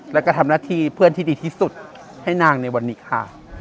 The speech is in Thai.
แล้วก็ทำหน้าที่เพื่อนที่ดีที่สุดให้นางในวันนี้ค่ะ